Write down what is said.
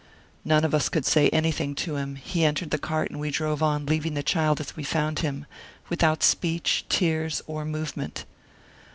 None of us could say anything to him; he entered the cart and we drove on, leaving the child as we found him, without speech, tears, or movement.